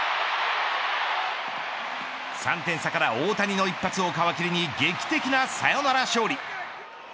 ３点差から大谷の一発を皮切りに劇的なサヨナラ勝利。